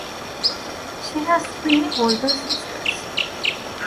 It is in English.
She has three older sisters.